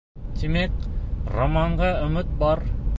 — Тимәк, романға өмөт бар?